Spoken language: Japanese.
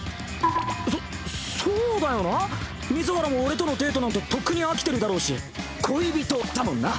水原も俺とのデートなんてとっくに飽きてるだろうし恋人だもんな！